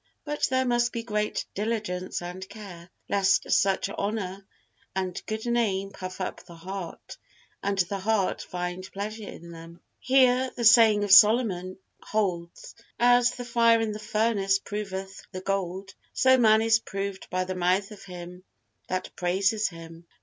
But there must be great diligence and care, lest such honor and good name puff up the heart, and the heart find pleasure in them. Here the saying of Solomon holds: "As the fire in the furnace proveth the gold, so man is proved by the mouth of him that praises him."